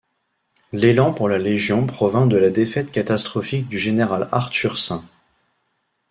L'élan pour la légion provint de la défaite catastrophique du général Arthur St.